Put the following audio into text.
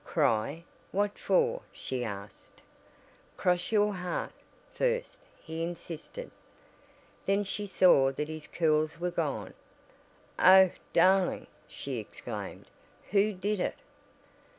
"Cry? What for?" she asked. "Cross your heart, first," he insisted. Then she saw that his curls were gone. "Oh, darling!" she exclaimed, "who did it?"